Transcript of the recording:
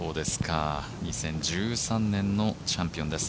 ２０１３年のチャンピオンです。